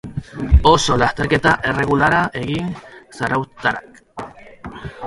Oso lasterketa erregularra egin zarauztarrak.